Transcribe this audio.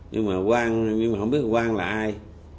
nhưng mà quang nhưng mà không biết quang là ai